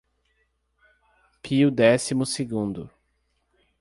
Pio Décimo-Segundo